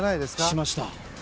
しました。